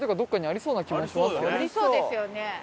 ありそうですよね。